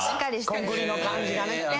コンクリの感じがね。